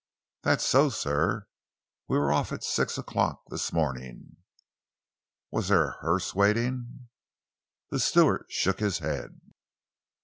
"That's so, sir. We were off at six o'clock this morning." "Was there a hearse waiting?" The steward shook his head.